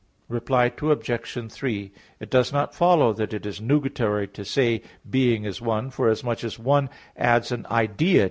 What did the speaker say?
Reply Obj. 3: It does not follow that it is nugatory to say "being" is "one"; forasmuch as "one" adds an idea to "being."